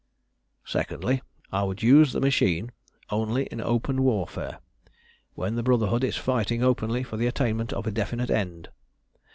"Secondly, I would use the machine only in open warfare when the Brotherhood is fighting openly for the attainment of a definite end.